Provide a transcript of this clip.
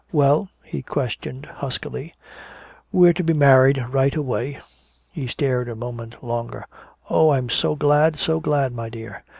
"Well?" he questioned huskily. "We're to be married right away." He stared a moment longer; "Oh, I'm so glad, so glad, my dear.